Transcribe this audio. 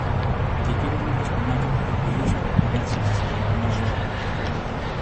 και κοίταζα τα σκονάκια που χοροπηδούσαν, έτσι, για να περνά η ώρα.